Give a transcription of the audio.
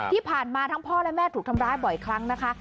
ที่ผ่านมาทั้งพ่อและแม่ถูกทำร้ายบ่อยครั้งนะคะ